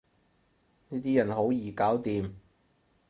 呢啲人好易搞掂